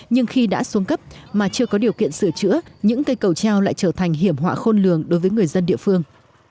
nhưng khi đã xuống cấp mà chưa có điều kiện sửa chữa những cây cầu treo lại trở thành hiểm họa khôn lường đối với người dân địa phương